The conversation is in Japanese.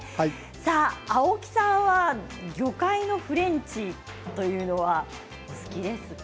青木さんは魚介のフレンチは好きですか？